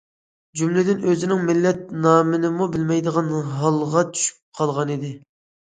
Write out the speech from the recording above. جۈملىدىن ئۆزىنىڭ مىللەت نامىنىمۇ بىلمەيدىغان ھالغا چۈشۈپ قالغانىدى.